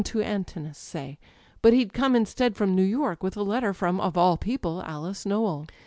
to Antinous, say; but he'd come instead from New York with a letter (of all people) from Alice Nowell.